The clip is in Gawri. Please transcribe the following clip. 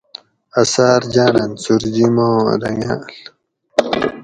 اثاۤر جاۤنن سُورجیماں رنگاۤل